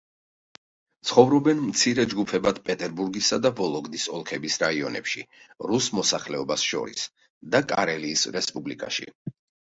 ცხოვრობენ მცირე ჯგუფებად პეტერბურგისა და ვოლოგდის ოლქების რაიონებში რუს მოსახლეობას შორის და კარელიის რესპუბლიკაში.